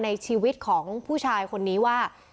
ในชีวิตของผู้ชายคนนี้ว่า